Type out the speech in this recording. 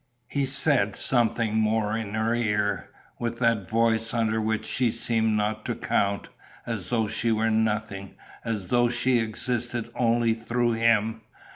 He said something more in her ear, with that voice under which she seemed not to count, as though she were nothing, as though she existed only through him.